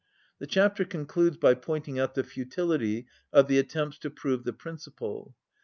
The chapter concludes by pointing out the futility of the attempts to prove the principle.